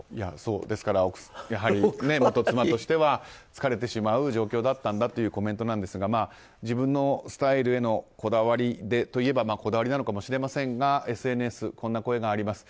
ですから元妻としては疲れてしまう状況だったというコメントなんですが自分のスタイルへのこだわりでといえばこだわりなのかもしれませんがＳＮＳ、こんな声があります。